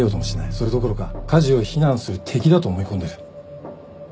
それどころか梶を非難する敵だと思い込んでる。